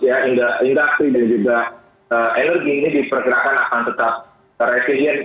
ya industri dan juga energi ini diperkirakan akan tetap resilient